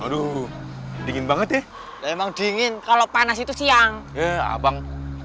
aduh dingin banget ya emang dingin kalau panas itu siang ya abang